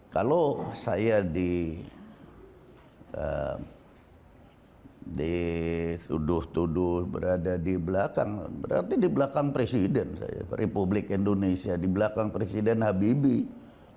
kalau saya dituduh tuduh berada di belakang berarti di belakang presiden republik indonesia di belakang presiden habibie